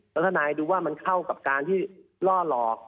แล้วทนายดูว่ามันเข้ากับการที่ล่อหลอก